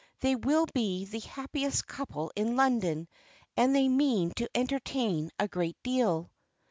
They will be the happiest couple in London, and they mean to entertain a great deal."